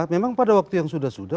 memang pada waktu yang sudah sudah